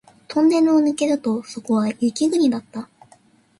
トンネルを抜けるとそこは雪国だった